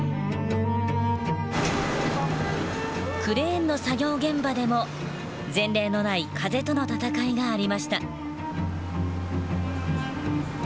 クレーンの作業現場でも前例のない風との闘いがありました。